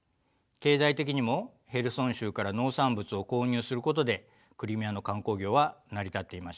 経済的にもヘルソン州から農産物を購入することでクリミアの観光業は成り立っていました。